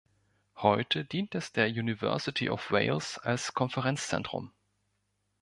Heute dient es der University of Wales als Konferenzzentrum.